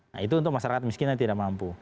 nah itu untuk masyarakat miskin yang tidak mampu